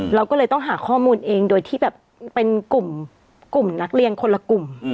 เราก็เลยต้องหาข้อมูลเองโดยที่แบบเป็นกลุ่มนักเรียนคนละกลุ่ม